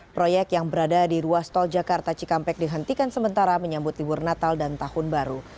proyek yang berada di ruas tol jakarta cikampek dihentikan sementara menyambut libur natal dan tahun baru